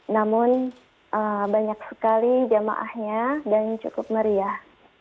namun banyak sekali jamaahnya dan cukup meriah